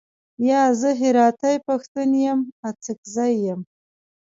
یا، زه هراتۍ پښتون یم، اڅګزی یم.